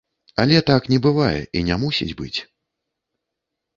Але так не бывае і не мусіць быць.